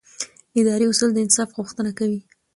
اداري اصول د انصاف غوښتنه کوي.